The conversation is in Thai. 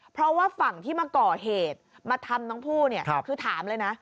เพราะว่าฝั่งที่มาก่อเหตุมาทำน้องผู้เนี่ยคือถามเลยนะ